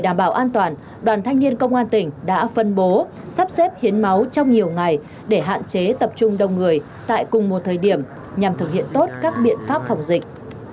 để đảm bảo an toàn đoàn thanh niên công an tỉnh đã phân bố sắp xếp hiến máu trong nhiều ngày để hạn chế tập trung đông người tại cùng một thời điểm nhằm thực hiện tốt các biện pháp phòng dịch